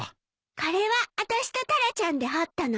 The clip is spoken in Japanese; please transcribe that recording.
これはあたしとタラちゃんで掘ったのよ。